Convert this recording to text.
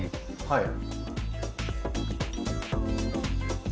はい。